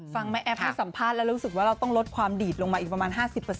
แม่แอฟให้สัมภาษณ์แล้วรู้สึกว่าเราต้องลดความดีดลงมาอีกประมาณ๕๐